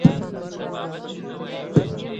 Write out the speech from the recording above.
افغانستان د پامیر په اړه علمي څېړنې لري.